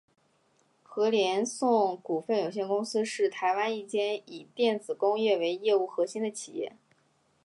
禾联硕股份有限公司是台湾一间以电子工业为业务核心的企业。